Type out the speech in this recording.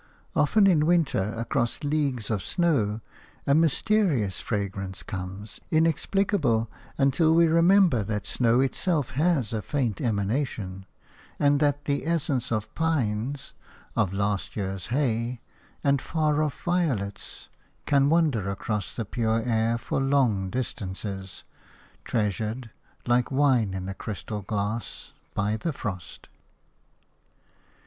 Often in winter across leagues of snow a mysterious fragrance comes, inexplicable until we remember that snow itself has a faint emanation, and that the essence of pines, of last year's hay and far off violets can wander across the pure air for long distances, treasured (like wine in a crystal glass) by the frost.